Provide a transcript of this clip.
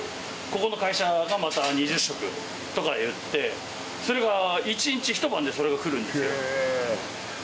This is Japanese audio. ここの会社がまた２０食とかいってそれが一日一晩でそれがくるんですよ